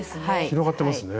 広がってますね。